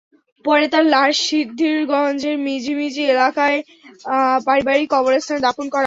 পরে তাঁর লাশ সিদ্ধিরগঞ্জের মিজমিজি এলাকায় পারিবারিক কবরস্থানে দাফন করা হয়।